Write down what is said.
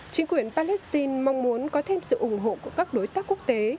chính quyền palestine mong muốn có thêm sự ủng hộ của các đối tác quốc tế